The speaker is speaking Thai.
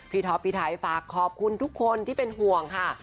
ท็อปพี่ไทยฝากขอบคุณทุกคนที่เป็นห่วงค่ะ